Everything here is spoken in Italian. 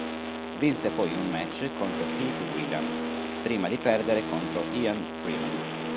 Vinse poi un match contro Pete Williams, prima di perdere contro Ian Freeman.